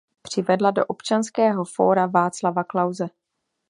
Přivedla do Občanského fóra Václava Klause.